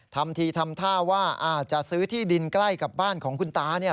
ทำทีทำท่าว่าจะซื้อที่ดินใกล้กับบ้านของคุณตาเนี่ย